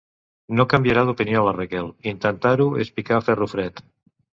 No canviarà d'opinió la Raquel, intentar-ho és picar ferro fred.